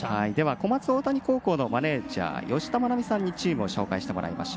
小松大谷高校のマネージャーにチームを紹介してもらいます。